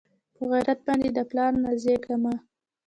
پۀ غېرت باندې د پلار نازېږه مۀ